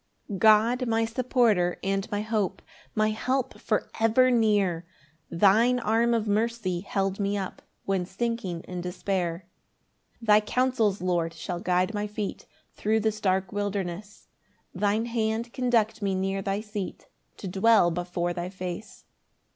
1 God my supporter and my hope, My help for ever near, Thine arm of mercy held me up When sinking in despair. 2 Thy counsels, Lord, shall guide my feet Thro' this dark wilderness; Thine hand conduct me near thy seat To dwell before thy face.